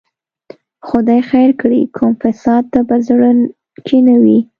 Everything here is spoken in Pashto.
خدای خیر کړي، کوم فساد ته په زړه کې نه وي.